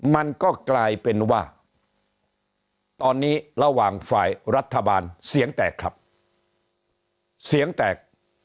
มันก็กลายเป็นว่าตอนนี้ระหว่างฝ่ายรัฐบาลเสียงแตกครับเสียงแตก